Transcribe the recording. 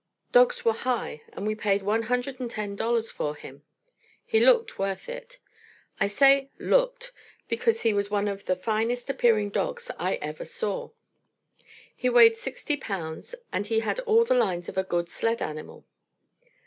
Dogs were high, and we paid one hundred and ten dollars for him. He looked worth it. I say looked, because he was one of the finest appearing dogs I ever saw. He weighed sixty pounds, and he had all the lines of a good sled animal.